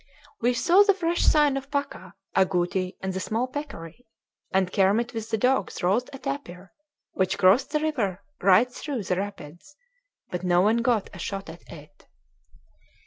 We saw the fresh sign of paca, agouti, and the small peccary, and Kermit with the dogs roused a tapir, which crossed the river right through the rapids; but no one got a shot at it.